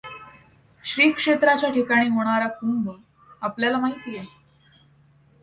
श्री क्षेत्राच्या ठिकाणी होणार कुंभ आपल्ल्याला माहीत आहे.